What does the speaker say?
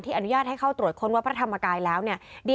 อนุญาตให้เข้าตรวจค้นวัดพระธรรมกายแล้วเนี่ย